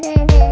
kau mau kemana